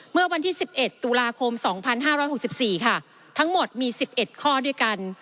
เมื่อวันที่๑๑ตุลาคม๒๕๖๔ค่ะทั้งหมดมี๑๑ข้อด้วยกัน